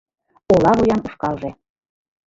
Ола вуян ушкалже